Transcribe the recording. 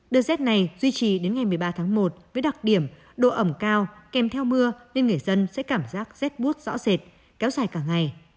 đợt rét này duy trì đến ngày một mươi ba tháng một với đặc điểm độ ẩm cao kèm theo mưa nên người dân sẽ cảm giác rét bút rõ rệt kéo dài cả ngày